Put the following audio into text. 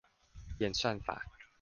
演算法